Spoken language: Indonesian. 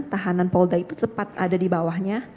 tahanan polda itu cepat ada di bawahnya